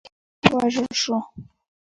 په نیویارک کې ووژل شو.